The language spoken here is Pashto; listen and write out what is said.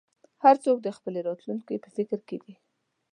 هر څوک د خپلې راتلونکې په فکر کې وي.